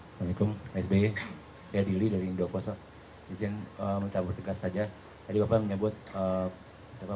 assalamualaikum sbi saya dili dari indokoso izin minta bertegas saja tadi bapak menyebut